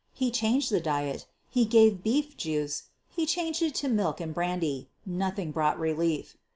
He changed the diet; he gave beef juice ; he changed it to milk and brandy — noth ing brought relief.